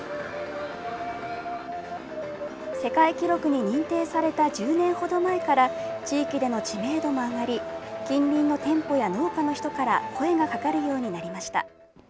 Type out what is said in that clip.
世界記録に認定された１０年ほど前から地域での知名度も上がり近隣の店舗や農家の人から声がかかるようになりました。